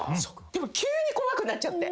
でも急に怖くなっちゃって。